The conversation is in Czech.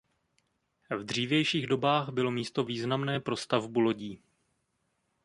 V dřívějších dobách bylo místo významné pro stavbu lodí.